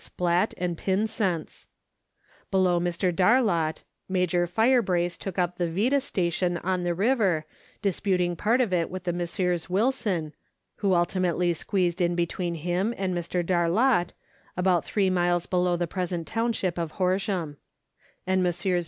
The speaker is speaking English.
Splatt and Pynsent's. Below Mr. Darlot, Major Firebrace took up the Vectis Station on the river, disputing part of it with the Messrs. Wilson, who ultimately squeezed in between him and Mr. Darlot, about three miles below the present township of Horsham ; and Messrs.